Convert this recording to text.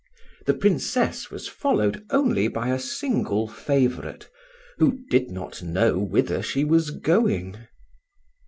The Princess was followed only by a single favourite, who did not know whither she was going.